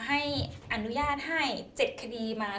ให้อนุญาตให้๗คดีมา